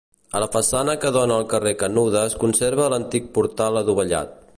A la façana que dóna al carrer Canuda es conserva l'antic portal adovellat.